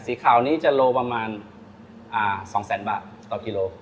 สีขาวนี้จะโลประมาณ๒แสนบาทต่อกิโล